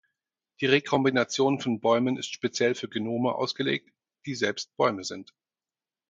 Die Rekombination von Bäumen ist speziell für Genome ausgelegt, die selbst Bäume sind.